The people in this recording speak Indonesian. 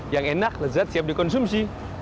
yang enak lezat siap dikonsumsi